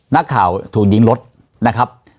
นักข่าวถูกยิงรถนะครับ